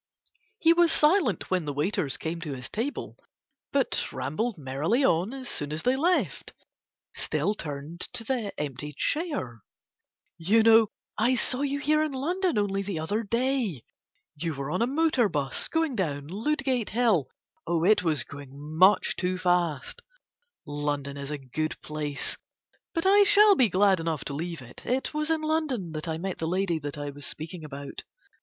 He was silent when the waiters came to his table, but rambled merrily on as soon as they left, still turned to the empty chair. "You know I saw you here in London only the other day. You were on a motor bus going down Ludgate Hill. It was going much too fast. London is a good place. But I shall be glad enough to leave it. It was in London that I met the lady I that was speaking about.